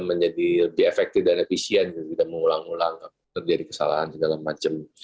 menjadi lebih efektif dan efisien tidak mengulang ulang terjadi kesalahan segala macam